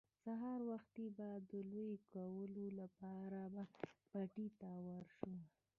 سهار وختي به د لو کولو لپاره به پټي ته ور شو.